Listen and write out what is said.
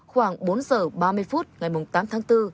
khoảng bốn giờ ba mươi phút ngày tám tháng bốn